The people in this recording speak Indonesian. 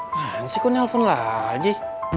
masih kok nelfon lagi